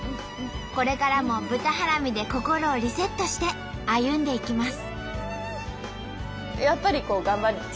これからも豚ハラミで心をリセットして歩んでいきます。